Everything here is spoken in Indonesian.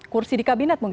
kursi di kabinet mungkin